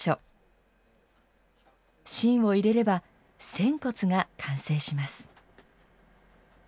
芯を入れれば、扇骨が完成します